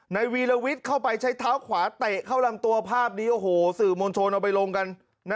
วีรวิทย์เข้าไปใช้เท้าขวาเตะเข้าลำตัวภาพนี้โอ้โหสื่อมวลชนเอาไปลงกัน